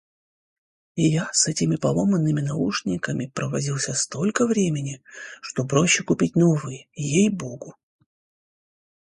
Я с этими поломанными наушниками провозился столько времени, что проще купить новые, ей богу!